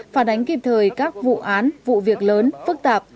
phản ánh kịp thời các vụ án vụ việc lớn phức tạp